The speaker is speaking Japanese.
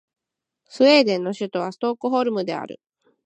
スウェーデンの首都はストックホルムである